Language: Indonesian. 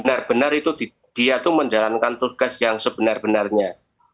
benar benar itu dia itu menjalankan tugas yang sebenar benarnya